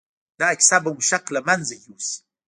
دا کيسه به مو شک له منځه يوسي.